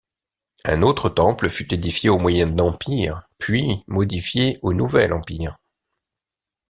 Un autre temple fut édifié au Moyen Empire, puis modifié au Nouvel Empire.